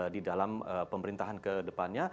di dalam pemerintahan kedepannya